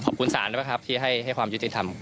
ขอบคุณศาลนะครับที่ให้ความยุติธรรม